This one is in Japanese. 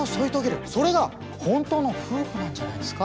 それが本当の夫婦なんじゃないですか？